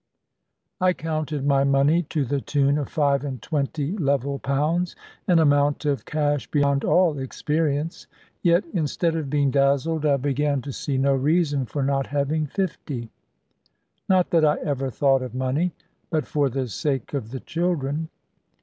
I counted my money, to the tune of five and twenty level pounds; an amount of cash beyond all experience! Yet, instead of being dazzled, I began to see no reason for not having fifty. Not that I ever thought of money; but for the sake of the children.